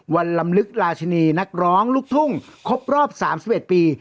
วันลำลึกราชินีนักร้องลูกทุ่งครบรอบสามสิบเอ็ดปี